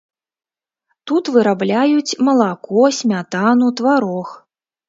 Тут вырабляюць малако, смятану, тварог.